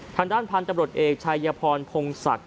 ทางด้านพันธุ์ตำรวจเอกชายพรพงศักดิ์